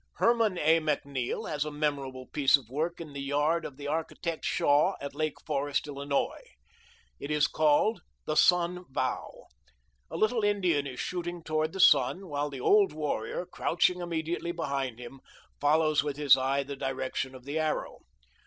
Hermon A. MacNeil has a memorable piece of work in the yard of the architect Shaw, at Lake Forest, Illinois. It is called "The Sun Vow." A little Indian is shooting toward the sun, while the old warrior, crouching immediately behind him, follows with his eye the direction of the arrow.